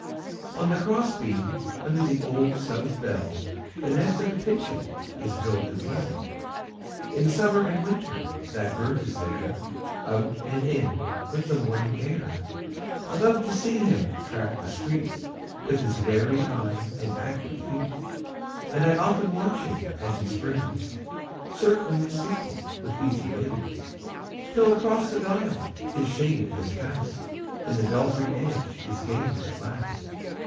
On the cross beam under the Old South bell The nest of a pigeon is builded well. B I li (88) In summer and winter that bird is there, Out and in with the morning air : I love to see him track the street, Witli his wary eye and active feet ; And 1 often watch him as he springs. Circling the steeple with easy wings. Till across the dial his shade has pass'd, And the belfry edge is gain'd at last.